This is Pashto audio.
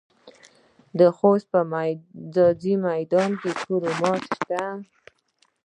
د خوست په ځاځي میدان کې کرومایټ شته.